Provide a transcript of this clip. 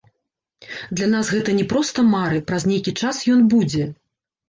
Для нас гэта не проста мары, праз нейкі час ён будзе.